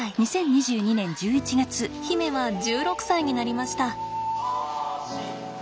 媛は１６歳になりました。